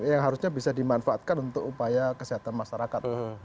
yang harusnya bisa dimanfaatkan untuk upaya kesehatan masyarakat